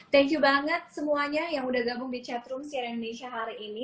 thank you banget semuanya yang udah gabung di chatroom sire indonesia hari ini